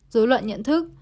dối loạn nhận thức